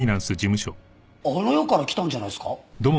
あの世から来たんじゃないっすか？